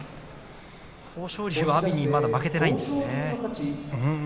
豊昇龍は阿炎にまだ負けていないんですね。